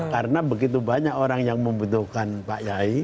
karena begitu banyak orang yang membutuhkan pak kiai